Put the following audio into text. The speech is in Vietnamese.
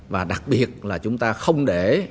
và đặc biệt là chúng ta không để